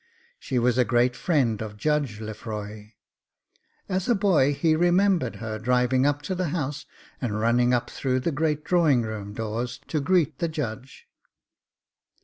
She was a great friend of Judge Lefroy. As a boy he remembered her driving up to the house and running up through the great drawing room doors to greet the Judge.